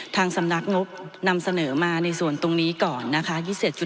ทางสำนักงบนำเสนอมาในส่วนตรงนี้ก่อนนะคะ